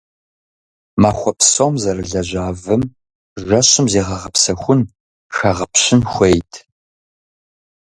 Махуэ псом зэрылэжьа вым жэщым зегъэгъэпсэхун, хэгъэпщын хуейт.